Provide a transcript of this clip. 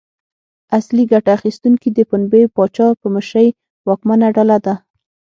اصلي ګټه اخیستونکي د پنبې پاچا په مشرۍ واکمنه ډله ده.